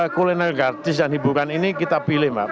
kuliner gratis dan hiburan ini kita pilih mbak